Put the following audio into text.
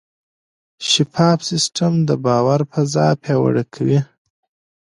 شفاف سیستم د باور فضا پیاوړې کوي.